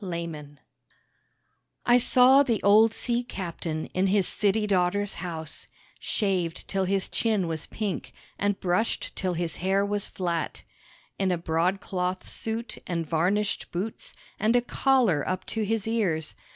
OLD BOATS I saw the old sea captain in his city daughter's house, Shaved till his chin was pink, and brushed till his hair was flat, In a broadcloth suit and varnished boots and a collar up to his ears.